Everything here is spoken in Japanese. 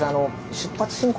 出発進行！